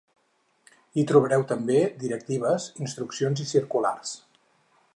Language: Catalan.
Hi trobareu també directives, instruccions i circulars.